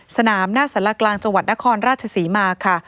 สนามหน้าสารกลางจังหวัดนครราชศรีมาค่ะ